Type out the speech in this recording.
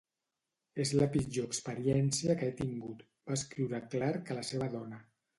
"És la pitjor experiència que he tingut", va escriure Clark a la seva dona.